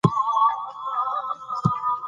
د هغه د ایمان په اندازه وي